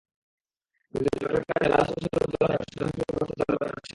কিন্তু জটের কারণে লাল-সবুজ-হলুদ জ্বলা-নেভার স্বয়ংক্রিয় ব্যবস্থা চালু করা যাচ্ছে না।